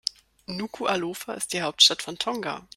Nukuʻalofa ist die Hauptstadt von Tonga.